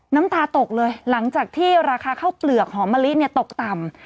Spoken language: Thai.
น้ำตาตกเลยหลังจากที่ราคาข้าวเปลือกหอมมะลิตกต่ำ